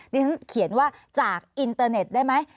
ดิฉันเขียนว่าจากอินเตอร์เน็ตได้ไหม